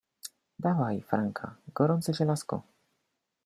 Dawaj, Franka, gorące żelazko.